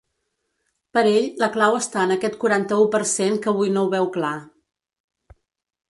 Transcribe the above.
Per ell, la clau està en aquest quaranta-u per cent que avui no ho veu clar.